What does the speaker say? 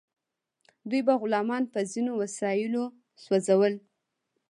دوی به غلامان په ځینو وسایلو سوځول.